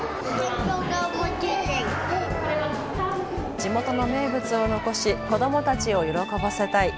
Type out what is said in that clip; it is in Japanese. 地元の名物を残し子どもたちを喜ばせたい。